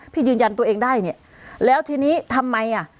ยืนยันตัวเองได้เนี่ยแล้วทีนี้ทำไมอ่ะ